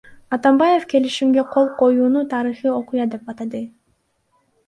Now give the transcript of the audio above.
Атамбаев келишимге кол коюуну тарыхый окуя деп атады.